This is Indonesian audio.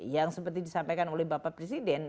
yang seperti disampaikan oleh bapak presiden